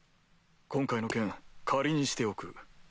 今回の件借りにしておく。